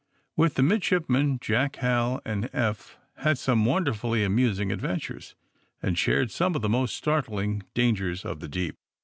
With the midship men, Jack, Hal and Eph had some wonderfully amusing adventures and shared some of the most startling dangers of the deep.